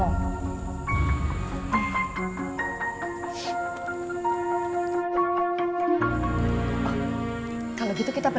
masir lalu koper